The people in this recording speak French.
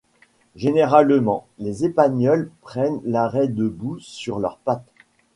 Généralement, les épagneuls prennent l'arrêt debout sur leurs pattes.